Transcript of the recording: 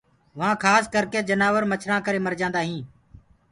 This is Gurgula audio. وهآن کآس ڪرڪي جنآور مڇرآن ڪري مر جآندآهين